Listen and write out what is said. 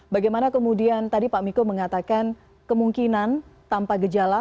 bagaimana kemudian tadi pak miko mengatakan kemungkinan tanpa gejala